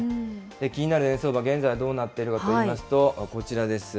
気になる円相場、現在はどうなっているかといいますと、こちらです。